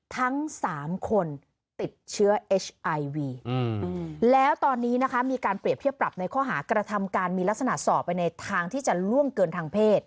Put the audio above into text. ทั้ง๓คนติดเชื้อเอชไอวีแล้วตอนนี้นะคะมีการเปรียบเทียบปรับในข้อหากระทำการมีลักษณะสอบไปในทางที่จะล่วงเกินทางเพศ